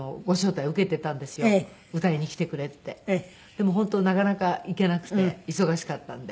でも本当なかなか行けなくて忙しかったんで。